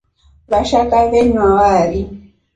Washaka wenywa wari.